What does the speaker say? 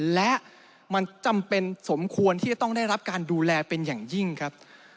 และมันจำเป็นสมควรที่จะต้องได้รับการดูแลเป็นอย่างยิ่งครับ